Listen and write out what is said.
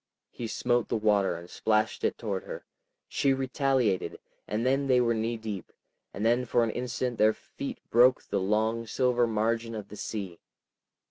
He smote the water and splashed it toward her, she retaliated, and then they were knee deep, and then for an instant their feet broke the long silver margin of the sea.